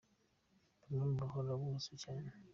bamwe babahora ubuza cyane.